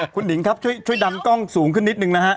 คุณหนิงครับช่วยดันกล้องสูงขึ้นนิดนึงนะฮะ